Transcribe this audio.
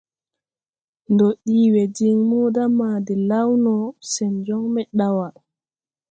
Ndo dii we din mota ma de law no, sen joŋ mbɛ dawa.